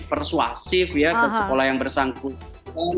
persuasif ya ke sekolah yang bersangkutan